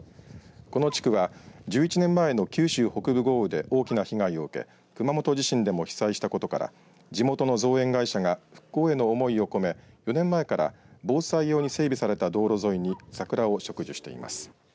この地区は１１年前の九州北部豪雨で大きな被害を受け熊本地震でも被災したことから地元の造園会社が復興への思いを込め４年前から防災用に整備された道路沿いに桜を植樹しています。